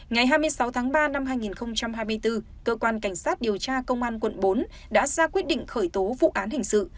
ngày hai mươi sáu tháng ba năm hai nghìn hai mươi bốn cơ quan cảnh sát điều tra công an quận bốn đã ra quyết định khởi tố vụ án hình sự